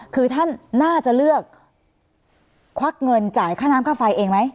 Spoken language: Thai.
คือท่านน่าจะเลือกควักเงินจ่ายค่าน้ำค่าไฟเองไหม